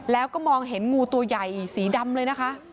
แล้วก็มองเห็นงูตัวใหญ่สีดำเลยนะคะ